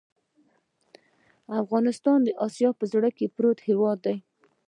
افغانستان د آسیا په زړه کې پروت هېواد دی.